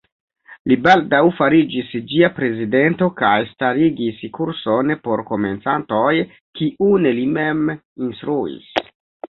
Li baldaŭ fariĝis ĝia prezidento kaj starigis kurson por komencantoj, kiun li mem instruis.